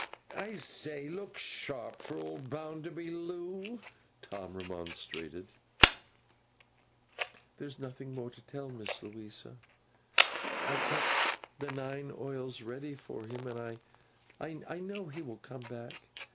'I say! Look sharp for old Bounderby, Loo!' Tom remonstrated. 'There's no more to tell, Miss Louisa. I keep the nine oils ready for him, and I know he will come back.